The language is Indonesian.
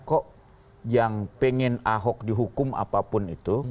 kok yang pengen ahok dihukum apapun itu